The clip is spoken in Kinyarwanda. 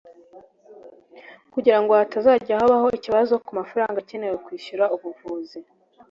Kugira ngo hatazajya habaho ikibazo ku mafaranga akenewe kwishyura ubuvuzi